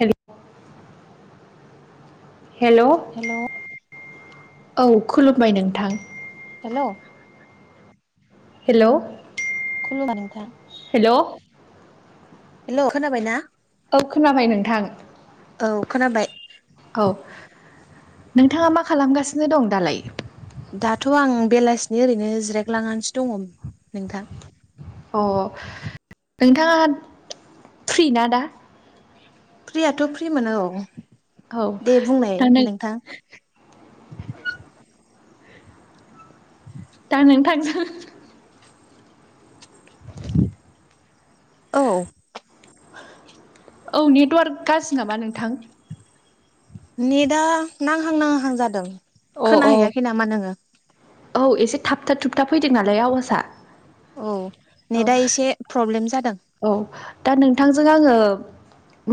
हेल' hello औ खुलुमबाय नोंथां हेल' हेलौ। खुलुमबाय नोंथां। हेलौ खोनाबायना? औ खोनाबाय नोंथां। औ खोनाबाय। औ नोंथाङा मा खालामगासिनो दं दालाय? दाथ' आं बेलासिनि ओरैनो जिरायगलांनानैसो दङ नोंथां। अ नोंथाङा फ्रि ना दा? फ्रियाथ' फ्रि मोनो औ औ दे बुंनाय दा नों नोंथां। दा नोंथांजों [inaudible] औ‌। औ नेटवार्क गाज्रि नामा नोंथां नेदा नांहां नांहां जादों। अ अ खोनाहैयाखै नामा नोङो? औ एसे थाबथा थुबथाब फैदों नालाय आवासआ। औ नेटआ एसे प्रब्लेम जादों। औ दा नोंथांजों आङो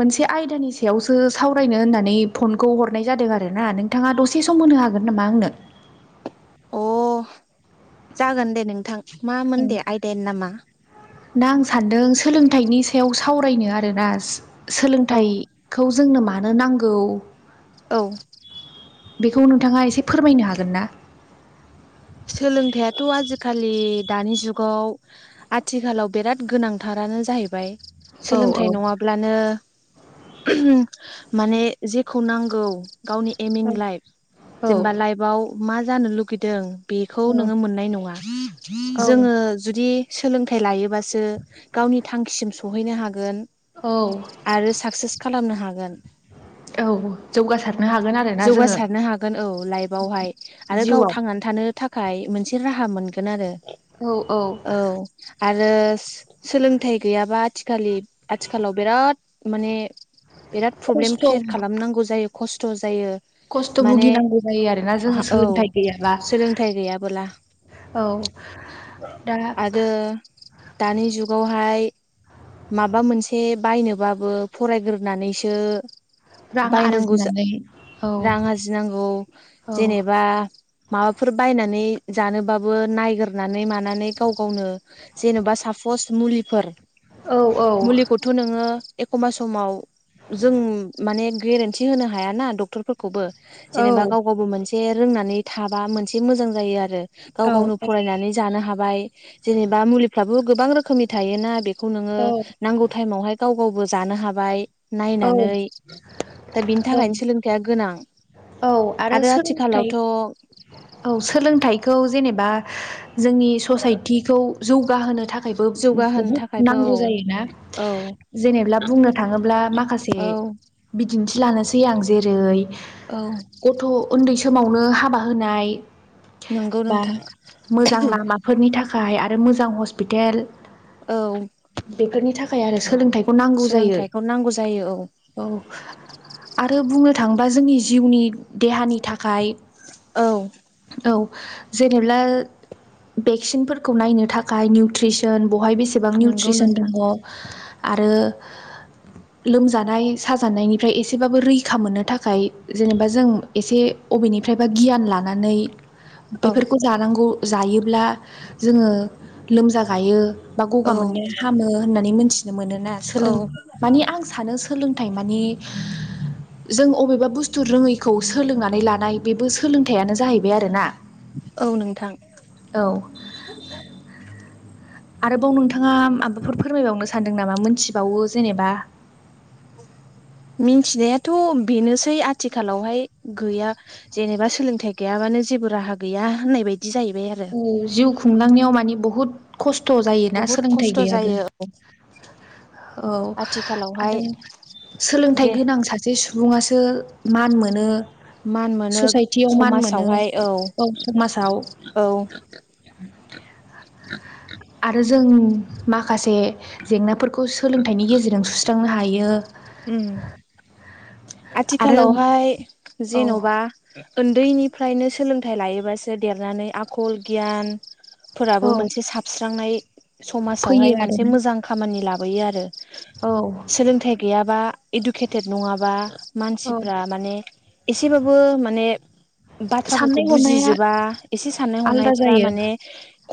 मोनसे आयदानि सायावसो सावरायनो होननानै फनखौ हरनाय जादों आरोना नोंथाङा दसे सम होनो हागोन नामा आंनो? अ जागोन दे नोंथां। औ मामोन दे आयदायानो नामा? दा आं सानदों सोलोंथाइनि सायाव सावरायनो आरोना औ सोलोंथाइखौ जोंनो मानो नांगौ औ। बेखौ नोंथाङा एसे फोरमायनो हागोन ना? खालि दानि जुगाव आथिखालाव बिराद गोनांथारानो जाहैबाय। औ औ सोलोंथाइ नङाब्लानो माने जे खौ नांगौ गावनि एम इन लाइफ औ जेनेबा लाइफआव मा जानो लुगैदों बेखौ नोङो मोननाय। नङा औ जोङो जुदि सोलोंथाइ लायोबासो गावनि थांखिसिम सहैनो हागोन। औ आरो साक्सेस खालामनो हागोन। औ जौगासारनो हा जौगासारनो हागोन औ लाइफआवहाय। आरो गाव जिउआव थांनानै थानो था खाय मोनसे राहा मोनगोन आरो औ औ। औ आरो सोलोंथाइ गैयाबा आथिखालि-आथिखालाव बिराद माने बिराद प्रब्लेम खस्थ' क्रियेट खालामनांगौ जायो खस्थ' जायो। खस्थ' माने भुगिनांगौ जायो आरोना जोङो औ सोलोंथाइ गैयाबा। सोलोंथाइ गैयाबोला औ दा आरो दानि जुगावहाय माबा मोनसे बायनोबाबो फरायग्रोनानैसो रां बायनांगौ आरजिनानै औ रां आरजिनांगौ। औ जेनेबा माबाफोर बायनानै जानोबाबो नायगोरनानै मानानै गाव गावनो जेन'बा साफस मुलिफोर औ औ मुलिखौथ' नोङो एखमबा समाव जों माने गेरेन्थि होनो हाय ना डक्टर फोरफोरखौबो। औ जेनेबा गाव गावबो मोन से रोंनानै थाबा मोनसे मोजां जायो आरो। गाव गावनो फरायनानै जानो हाबाय जेनेबा मुलिफ्राबो गोबां रोखोमनि थायोना बे खौ नोङो औ नांगौ टाइमावहाय गाव गावबो जानो हाबाय औ नायनानै। दा बिनि औ थाखायनो सोलोंथाइया गोनां औ आरो सोलोंथाइ औ सोलोंथाइखौ खौ जेनेबा जोंनि ससाइटिखौ जौगाहोनो थाखा‌ खायबो जौगाहोनो बहुद थाखायबो नांगौ औ जायोना औ जेनेब्ला बुंनो थाङोब्ला माखासे से बिदिन्थि लानोसै आं जेरै औ गथ' उन्दै समावनो हाबा होनाय नंगौ बा नोंथां मोजां लामाफोरनि था खाय आरो मोजां हस्पिटेल औ बेफोरनि थाखाय आरो सोलोंथाइ सोलोंथाइखौ नांगौ जायो। औ आरो बुंनो थाङोबा जोंनि जिउनि देहानि थाखाय औ औ जेनेब्ला भेक्सिनफोरखौ नायनो थाखाय निउट्रिसन बेवहाय बेसेबां नंगौ निउट्रिसन नोंथां दङ आरो। लोमजानाय साजानायनिफ्राय एसेबाबो रैखा मोननो थाखाय जेनेबा जों एसे बेनिफ्रायबा गियान लानानै औ बेफोरखौ जानांगौ जायोब्ला जोङो लोमजा गायो। बा गगा औ मोननाया हामो होननानै मोनथिनो मोनोना औ सोलों माने आं सोलोंथाइ माने जों अबेबा बुस्थु रोङैखौ सोलोंनानै औ नोंथां औ आरोबाव नोंथाङा माबाफोर फोरमायबावनो सानदों नामा? मोनथिबावो जेनेबा [inaudible] मिथिनायाथ' बेनोसै आथिखालावहाय गैया जेनेबा सोलोंथाइ गैयाबानो जेबो राहा गैया होननाय बायदि। जाहैबाय आरो औ जिउ खुंलांनायाव मानि बुहुत खस्थ'। जायोना बुहुद सोलोंथाइ खस्थ' गैयाब्ला जायो ।औ आथिखालावहाय आरो सोलोंथाइ जे गोनां सासे सुबुङासो मान मोनो। मान मोनो ससाइटियाव मान मोनो औ समाजाव औ आरो जों माखासे जेंनाफोर बेखौ सोलोंथाइनि गेजेरजों सुस्रांनो हायो। ओम आरो आथिखालावहाय औ जेन'बा उन्दैनिफ्रायनो सोलोंथाइ लायोबासो देरनानै आखल गियान फोराबो औ मोनसे साबस्रांनाय फैयो समाजावहाय मोनसे आरोना मोजां खामानि लाबोयो आरो। औ इडुकेटेट नङाबा औ मानसिफ्रा माने एसेबाबो माने बाथ्राफोरखौ साननाय हनाया बुजिजोबा एसे साननाय आलादा हनायफ्रा जायो माने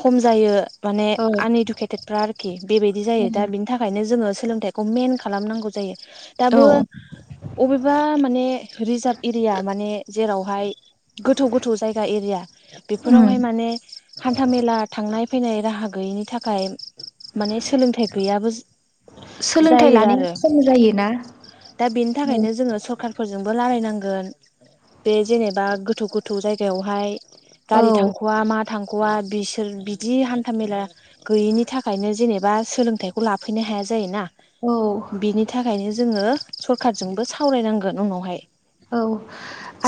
खम जायो माने औ आनइडुकेटेडफ्रा आरोखि बेबायदि जायो औ दा बिनि थाखायनो जोङो। सोलोंथाइखौ मेन खालामनांगौ जायो। औ दाबो अबेबा माने रिजार्भ एरिया माने जेरावहाय गोथौ गोथौ जायगा एरिया उम बेफोरावहाय माने हान्था मेला थांनाय फैनाय राहा गैयैनि थाखाय माने सोलोंथाइ गैयाबो सोलोंथाइ जायो लानाया आरो। खम जायोना दा बेनि औ थाखायनो जोङो सरकार फोरजोंबो रालायनांगोन बे जेनेबा गोथौ गोथौ जायगायावहाय औ गारि थांख'वा मा थांख'वा बिसोर बिदि हान्था मेला गैयिनि थाखायनो जेनेबा सोलोंथाइखौ लाफैनो हाया। हाया जायोना। औ। बेखायनो जोङो सरखारजोंबो सावरायनांगोन उनावहाय औ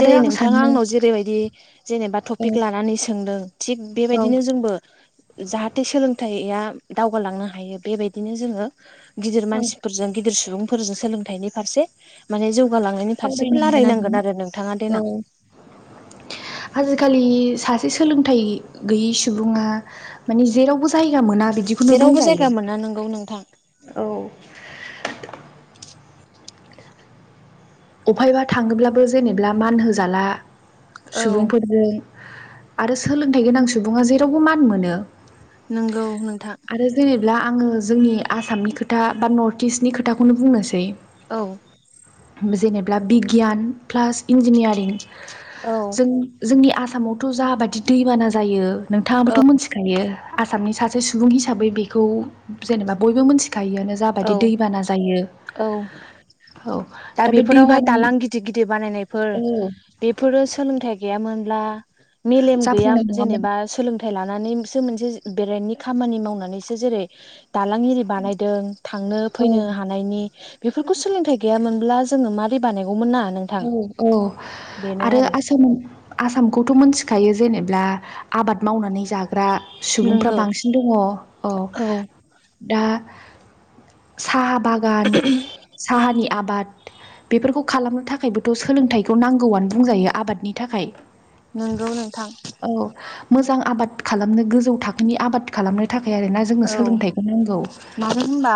आरो आं नोंथाङा सानो आंनाव जेरै बायदि जेनेबा औ टपिक लानानै सोंदों थिग औ बेबायदिनो जोंबो जाहाथे सोलोंथाइया दावगालांनो हायो बेबायदिनो जोङो गिदिर औ मानसिफोरजों सुबुंफोरजों सोलोंथाइनिस फारसे माने दावगालांनायनि फारसे रायलायनांगोन आरो नोंथाङा देनां औ आजिखालि सासे सोलोंथाइ गैयै सुबुङा माने जेरावबो जायगा मोना बिदिखौनो जेरावबो बुंजायो जायगा मोना नोंगौ नोंथां औ अफायबा थाङोब्लाबो जेनेबा मान होजाला औ सुबुंफोरजों आरो सोलोंथाइ गोनां सुबुङा जेरावबो मान मोनो नंगौ नोंथां दा आङो जोंनि आसामनि खोथा बा नर्थ इस्टनि खोथाखौनो बुंनोसै औ जेनेबा बिगियान प्लास इन्जिनियारिं औ जों जोंनि आसाम आसामावथ' जाबादि दैबाना जायो नोंथाङाबोथ' औ मिथिखायो आसामनि सासे सुबुं हिसाबै बेखौ जेनेबा बयबो मिथियो दायोआनो जाबादि दैबाना जायो औ औ दा दा बे बेफोरावहाय दैबानानि दालां गिदिर गिदिर बानायनायफोर औ बेफोरो सोलोंथाइ गैयामोनब्ला मेलेम गैया जाफुंनाय नङामोन जेनेबा सोलोंथाइ लानानैसो मोनसे ब्रेन्टनि खामानि मावनानैसो जेरै दालां एरि बानायदों थांनो औ फैनो हानायनि बेफोरखौ सोलोंथाइ गैयामोनब्ला जोङो माबोरै बानायगौमोन ना औ नोंथां औ आरो आसाम आसामखौथ' मोनथिखायो जेनेबा ब्ला आबाद मावनानै जागोन द्रा सुबुंफ्रा नोंगौ बांसिन दङ औ औ दा साहा बागान साहानि आबाद बेफोरखौ खालामनो थाखाय थाखायबोथ' सोलोंथाइखौ नांगौआनो बुंजायो आबादनि थाखाय नंगौ नोंथां। औ मोजां आबाद खालामनो गोजौ थाखोनि आबाद खालामनो थाखाय। ए ना जोंनो औ सोलोंथाइखौ नांगौ! मानो होनबा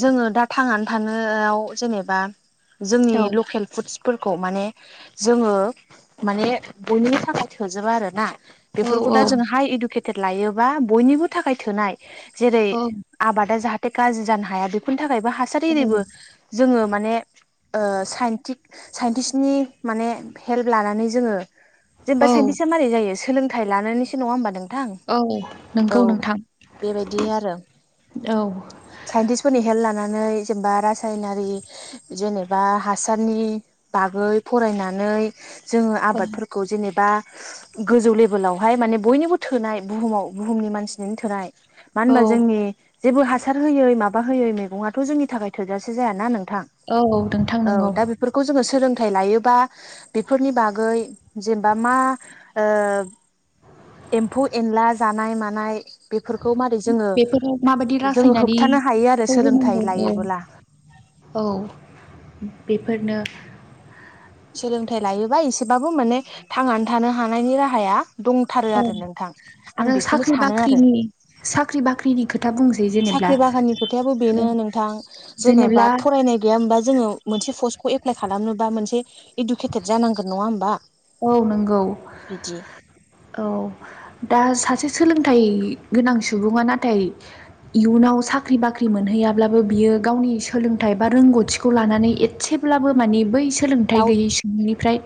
जोङो दा थांनानै थानोआव जेनेबा जोंनि औ लकेल फुदसफोरखौ माने! जोङो माने बयनिबो थाखाय थोजोबा आरोना औ बेफोरखौ औ दा जोंङो हाइ इडुकेट लायोबा बयनिबो थाखाय थोनाय जेरै औ आबादा जाहाथे गाज्रि जानो हाया बेफोर थाखायबो हासार एरैबो जोङो माने ओ साइटिप साइन्टिस्टनि माने हेल्प लानानै जोङो जेनबा औ साइन्टिसआ मारै जायो सोलोंथाइ लानानैसो नङा होनोमबा नों औनि नोंगौ नोंथां बेबायदि आरो औ साइन्टिस्टफोरनि हेल् ला नानै जेनेबा रासायनारि जेनेबा हासारनि बागै फरायना नै जोङो औ आबादफोरखौ जेनेबा गोजौ लेभेलावहाय माने बयनिबो थोनाय बुहुमाव बुहुमनि मानसिनिनो थोनाय। औ मानबा जोंनि जेबो हासार होयै माबा होयै मैगङाथ' जोंनि थाखाय थोजासे जायाना नों थां औ नोंथां औ नंगौ दा बेफोरखौ जोङो सोलों थाइ लायोबा बेफोरनि बागै जेनबा मा ओ एम्फौ-एनला जानाय मानाय बेफोरखौ मारै जोङो बेफोराव माबायदि जोङो होबथानो हायो आरो रासायनारिखौ होनांगौ सोलोंथाइ औ लायोबोला। औ बेफोरनो। सोलोंथाइ लायोबा एसेबाबो माने थांनानै थानो हानायनि राहाया दंथारो औ आरो नोंथां आरो आं बेखौनो साख्रि सानो आरो बाख्रिनि साख्रि बाख्रिनि खोथा बुंसै जेनेब्ला साख्रि बागाननि खोथायाबो बेनो नोंथां जेनेबा जेनेब्ला फरायनाय गैयाओमबा जोङो। मोनसे पस्तखौ एप्लााय खालामनोबा मोनसे इदुकेटेद जानांगोन नङा होमबा। औ नंगौ बिदि औ दा सा। सासे सोलोंथाइ गोनां सुबुङा नाथाय । इयुनाव साख्रि बाख्रि मोनहैयाब्लाबो बियो गावनि सोलोंथाइ बा रोंगौथिखौ लानानै एथसे। ब्लाबो मानि बै सोलोंथाइ दाउ गैयै सुबुंनिफ्राय।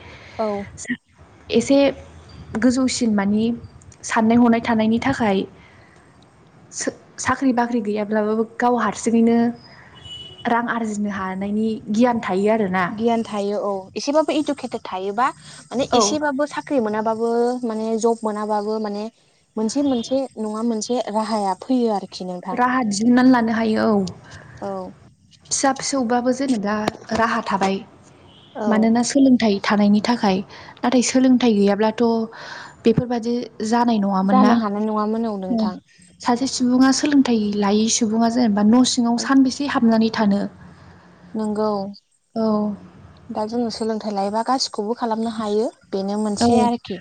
औ। एसे गोजौसिन मानि साननाय हनाय थानायनि थाखाय। सो साख्रि बाख्रि गैयाब्लाबाबो गाव हारसिङैनो। रां आरजिनो हानायनि गियान। थायो आरोना गियान थायो औ एसेबाबो इडुकेटेद थायोबा माने औ एसेबाबो साख्रि मोनाबाबो। मो माने जब मोनाबाबो माने मोनसे मोनसे नङा मोनसे राहाया फैयो आरो। राहा दिहुननानै लानो हायो औ औ फिसा फिसौबाबो जेनेबा। राहा थाबाय औ मानोना सोलोंथाइ। थानायनि थाखाय नाथाय सोलोंथाइ गैयाब्लाथ' बेफोरबादि। जानाय नङामोन ना जानो हानाय नङामोन औ नोंथां सा सुबुङा सोलोंथाइ लायै सुबुङा जेनेबा न' सिङाव सानबेसे हाबनानै थानो। नंगौ औ दा जोङो सोलोंथाइ लायोबा गासिखौबो खालामनो हायो। बेनो औ मोनसे आरोखि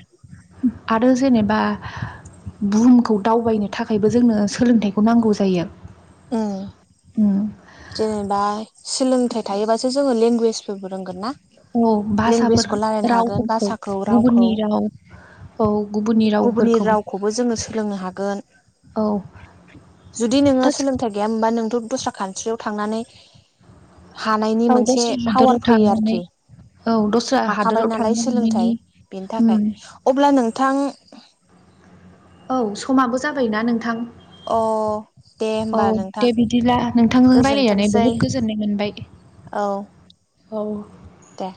आरो जेनेबा । बुहुमखौ दावबायनो थाखायबो जोंनो सोलोंथाइखौ नांगौ जायो। ओ उम जेनेबा सोलोंथाइ थायोबासो जोङो लेंगुवेजफोरबो रोंगोन ना? औ भाषाफोर लेंगुवेजखौ रायलायनो हागोन रावफोरखौ भाषाखौ रावखौ गुबुननि राव औ गुबुननि राव। गुबुननि रावखौबो जोङो सोलोंनो हागोन। औ जुदि नोङो दा सोलोंथायाइ गैयामोनबा नोंथ' दस्रा खान्ट्रियाव थांनानै हानायनि औ मोनसे दस्रा हादराव पावार फैयो थांनानै आरोखि। औ दस्रा हादराव हाखाबाय नालाय थांनो हानायनि सोलोंथाइ बेनि थाखाय उम अब्ला नोंथां औ समाबो जाबायना नोंथां अ दे औ होमबा नोंथां दे बिदिब्ला नोंथांजों रायलायनानै गोजोनथोंसै बहुत गोजोननाय मोनबाय । औ औ दे